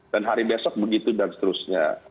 dan hari besok begitu dan seterusnya